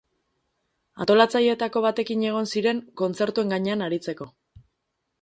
Antolatzaileetako batekin egon ziren, kontzertuen gainean aritzeko.